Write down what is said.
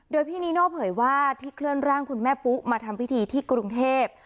โดยพี่นีโน่เผยว่าที่เคลื่อนร่างคุณแม่ปุ๊มาทำพิธีที่กรุงเทพ